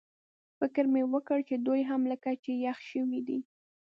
فکر مې وکړ چې دوی هم لکه چې یخ شوي دي.